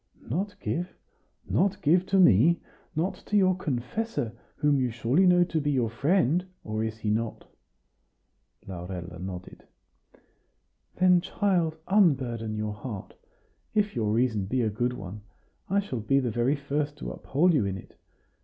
"Not give! not give to me? not to your confessor, whom you surely know to be your friend or is he not?" Laurella nodded. "Then, child, unburden your heart. If your reason be a good one, I shall be the very first to uphold you in it.